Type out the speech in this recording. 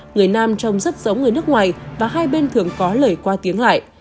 người nam trông rất giấu người nước ngoài và hai bên thường có lời qua tiếng lại